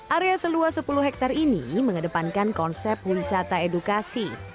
area seluas sepuluh hektare ini mengedepankan konsep wisata edukasi